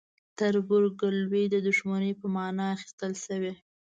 تربورګلوي د دښمنۍ په معنی اخیستل شوی.